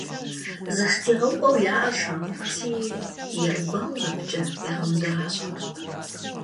ЗэштегъэупӀэу яӀэр шагъырти, я гуауэр абыкӀэ ягъэундэращхъуэрт.